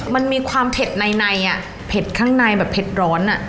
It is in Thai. มันมีความเผ็ดในในอ่ะเผ็ดข้างในแบบเผ็ดร้อนอ่ะ